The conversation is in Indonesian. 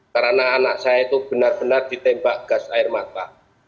karena anak saya itu benar benar ditembak gas air mata